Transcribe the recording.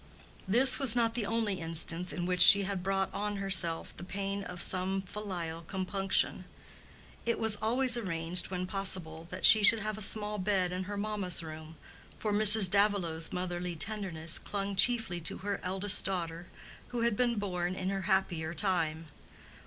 This was not the only instance in which she had brought on herself the pain of some filial compunction. It was always arranged, when possible, that she should have a small bed in her mamma's room; for Mrs. Davilow's motherly tenderness clung chiefly to her eldest girl, who had been born in her happier time.